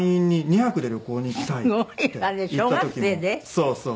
そうそう。